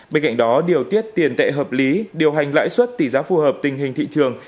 bên cạnh đó điều tiết tiền tệ hợp lý điều hành lãi suất tỷ giá phù hợp tình hình thị trường